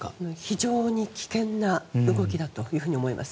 非常に危険な動きだというふうに思います。